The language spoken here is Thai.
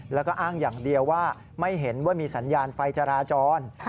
แล้วก็อ้างอย่างเดียวว่าไม่เห็นว่ามีสัญญาณไฟจราจร